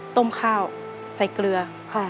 ต้มข้าวใส่เกลือ